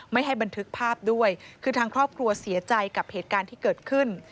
ไม่ให้บันทึกภาพด้วยคือทางครอบครัวเสียใจกับเหตุการณ์ที่เกิดขึ้น